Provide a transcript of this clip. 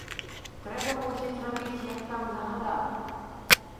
Трэба, мусіць, рабіць, як там загадана.